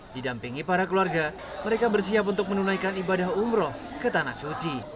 didampingi para keluarga mereka bersiap untuk menunaikan ibadah umroh ke tanah suci